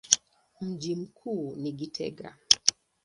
Mji mkuu ni Gitega.